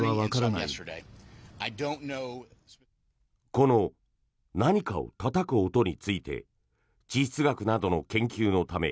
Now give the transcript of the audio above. この何かをたたく音について地質学などの研究のため